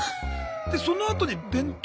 でそのあとに弁当。